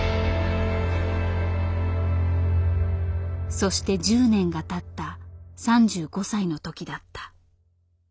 そして１０年がたった３５歳の時だった。